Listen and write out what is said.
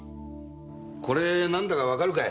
これなんだかわかるかい？